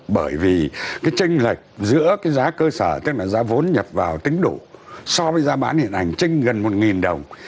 bởi vì cái trinh lệch giữa cái giá cơ sở tức là giá vốn nhập vào tính đủ so với giá bán hiện ảnh trinh gần một đồng